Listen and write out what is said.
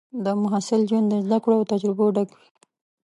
د محصل ژوند د زده کړو او تجربو ډک وي.